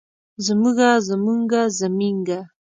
زمونږه زمونګه زمينګه